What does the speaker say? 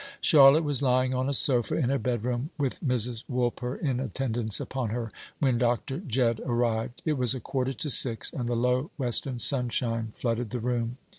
Charlotte was lying on a sofa in her bedroom, with Mrs. Woolper in attendance upon her, when Dr. Jedd arrived. It was a quarter to six, and the low western sunshine flooded the room.